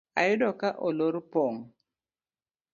Ayudo ka olor pong